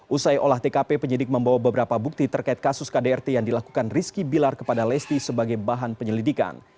usai olah tkp penyidik membawa beberapa bukti terkait kasus kdrt yang dilakukan rizky bilar kepada lesti sebagai bahan penyelidikan